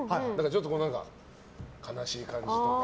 ちょっと悲しい感じとか。